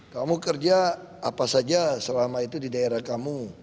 kamu kerja apa saja selama itu di daerah kamu